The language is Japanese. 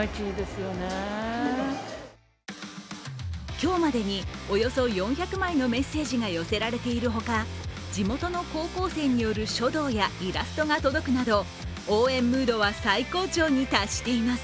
今日までにおよそ４００枚のメッセージが寄せられているほか地元の高校生による書道やイラストが届くなど、応援ムードは最高潮に達しています。